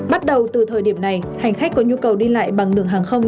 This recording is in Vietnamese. bắt đầu từ thời điểm này hành khách có nhu cầu đi lại bằng đường hàng không